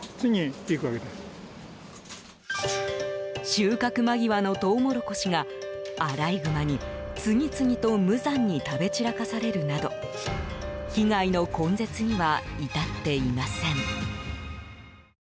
収穫間際のトウモロコシがアライグマに次々と無残に食べ散らかされるなど被害の根絶には至っていません。